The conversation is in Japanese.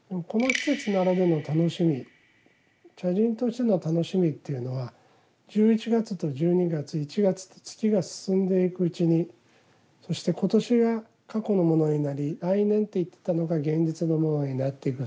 茶人としての楽しみというのは１１月と１２月１月と月が進んでいくうちにそして今年が過去のものになり来年と言ってたのが現実のものになっていく。